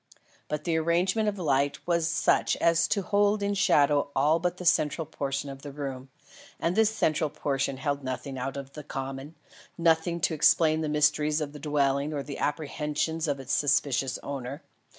But the arrangement of light was such as to hold in shadow all but the central portion of the room; and this central portion held nothing out of the common nothing to explain the mysteries of the dwelling or the apprehensions of its suspicious owner.